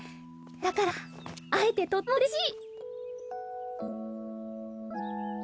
だから会えてとってもうれしい。